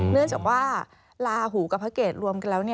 เนื่องจากว่าลาหูกับพระเกตรวมกันแล้ว